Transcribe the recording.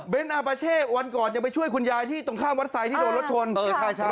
เบนท์อาปาเช่วันก่อนยังไปช่วยคุณยายที่ตรงข้างวัดสายที่โดนรถชน